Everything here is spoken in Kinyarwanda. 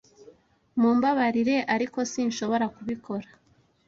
Mumbabarire, ariko sinshobora kubikora.